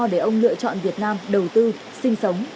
để ông lựa chọn việt nam đầu tư sinh sống